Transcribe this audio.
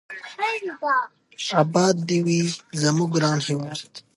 اباد دې وي زموږ ګران هېواد.